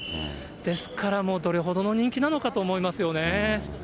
ですから、どれほどの人気なのかと思いますよね。